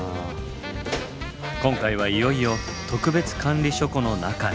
今回はいよいよ特別管理書庫の中へ！